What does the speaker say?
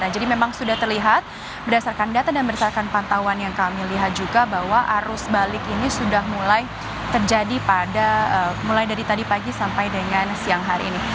jadi memang sudah terlihat berdasarkan data dan berdasarkan pantauan yang kami lihat juga bahwa arus balik ini sudah mulai terjadi pada mulai dari tadi pagi sampai dengan siang hari ini